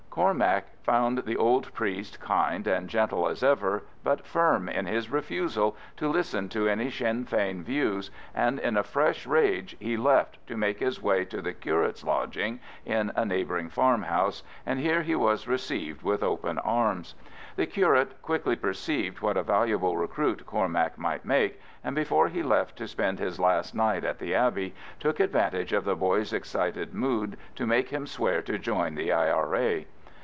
Cormac found the old priest kind and gentle as ever, but firm in his refusal to listen to any Sinn Fein views, and in a fresh rage he left to make his way to the curate's lodging in a neighbouring farmhouse, and here he was received with open arms. The curate quickly perceived what a valuable recruit Cormac might make, and before he left to spend his last night at the abbey, took advantage of the boy's excited mood to make him swear to join the I.R.A.